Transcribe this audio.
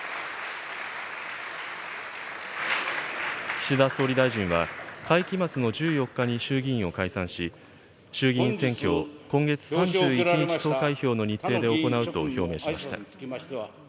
岸田総理大臣は、会期末の１４日に衆議院を解散し、衆議院選挙を今月３１日投開票の日程で行うと表明しました。